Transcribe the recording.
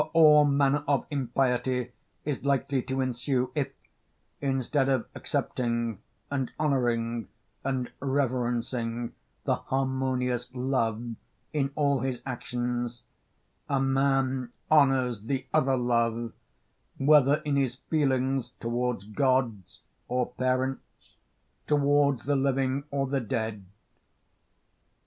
For all manner of impiety is likely to ensue if, instead of accepting and honouring and reverencing the harmonious love in all his actions, a man honours the other love, whether in his feelings towards gods or parents, towards the living or the dead.